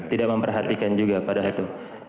tidak memperhatikan juga pada itu